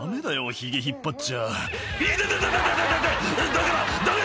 だからダメ！